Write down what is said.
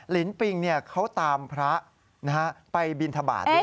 ลินปิงเขาตามพระไปบินทบาทด้วย